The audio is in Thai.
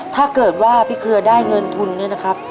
ถ้าเกิดว่าพี่เครือได้เงินทุนเนี่ยนะครับ